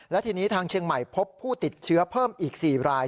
และทีนี้ทางเชียงใหม่พบผู้ติดเชื้อเพิ่มอีก๔ราย